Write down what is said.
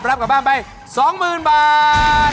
รับกลับบ้านไป๒หมื่นบาท